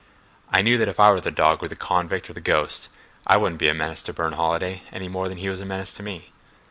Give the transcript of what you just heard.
I knew that if I were the dog or the convict or the ghost I wouldn't be a menace to Burne Holiday any more than he was a menace to me.